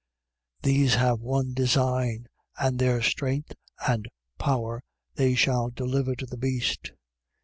These have one design: and their strength and power they shall deliver to the beast.